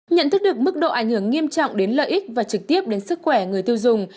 nhận thức được mức độ ảnh hưởng nghiêm trọng đến lợi ích và trực tiếp đến sức khỏe người tiêu dùng